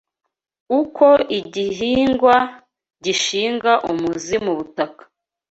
Uko igihingwa gishinga umuzi mu butaka